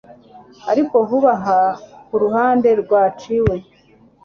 Ariko vuba aha kuruhande rwaciwe